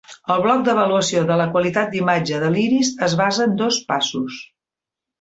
El bloc d'avaluació de la qualitat d'imatge de l'iris es basa en dos passos.